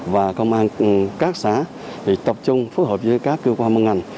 và công an các xã thì tập trung phù hợp với các cơ quan mân ngành